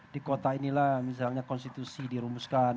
di kota inilah misalnya konstitusi dirumuskan